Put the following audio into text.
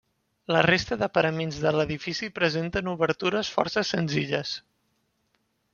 La resta de paraments de l'edifici presenten obertures força senzilles.